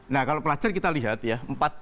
nah kalau pelajar kita lihat ya